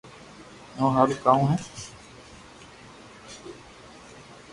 او ٿو ھارو ڪرو